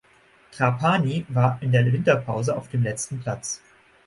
Trapani war in der Winterpause auf dem letzten Platz.